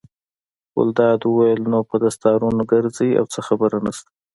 ګلداد وویل: نو په دستارونو ګرځئ او څه خبره نشته.